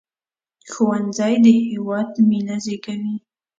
ښوونځی د هیواد مينه زیږوي